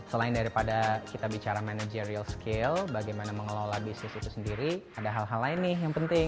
selain daripada kita bicara manajerial skill bagaimana mengelola bisnis itu sendiri ada hal hal lain nih yang penting